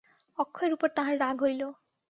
অক্ষয়ের উপর তাঁহার রাগ হইল।